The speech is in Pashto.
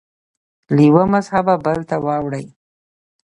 له یوه مذهبه بل ته واوړي